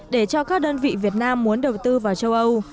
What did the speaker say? để cho các đơn vị việt nam muốn đầu tư vào châu âu